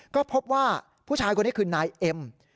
ก็พบว่าผู้ชายคนนี้คือนายเอ็ม